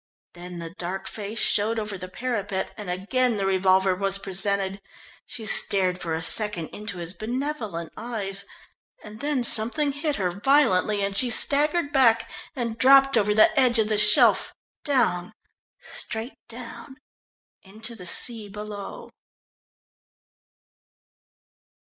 Then the dark face showed over the parapet and again the revolver was presented. She stared for a second into his benevolent eyes, and then something hit her violently and she staggered back, and dropped over the edge of the shelf down, straight down into the sea below.